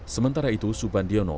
sementara itu subandiono